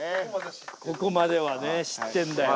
ここまではね知ってんだよ。